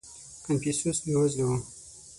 • کنفوسیوس بېوزله و.